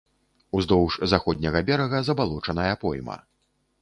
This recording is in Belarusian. Уздоўж заходняга берага забалочаная пойма.